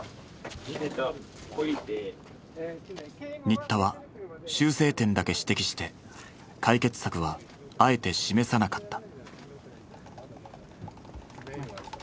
新田は修正点だけ指摘して解決策はあえて示さなかった。